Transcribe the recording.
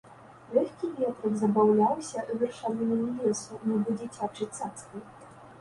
Лёгкі ветрык забаўляўся вершалінамі лесу, нібы дзіцячай цацкай.